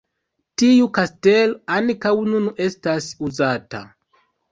Tiu kastelo ankaŭ nun estas uzata.